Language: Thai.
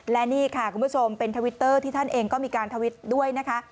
และนี่ค่ะคุณผู้ชมเป็นทวิตเตอร์ที่ท่านเองก็มีการทวิตด้วยนะคะ